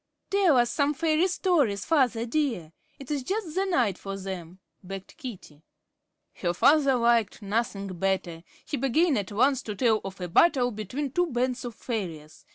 "Tell us some fairy stories, father dear. It is just the night for them," begged Katie. Her father liked nothing better. He began at once to tell of a battle between two bands of fairies.